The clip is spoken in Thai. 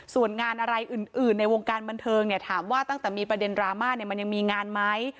ส่วนงานอะไรอื่นในวงการบันเทิงเนี่ยถามว่าตั้งแต่มีประเด็นดราม่าเนี่ยมันยังมีงานไหม